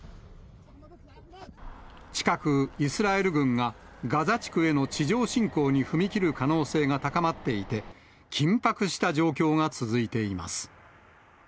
近く、イスラエル軍がガザ地区への地上侵攻に踏み切る可能性が高まっていて、緊迫した状況が続いています。